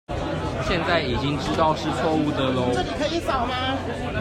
現在已經知道是錯誤的囉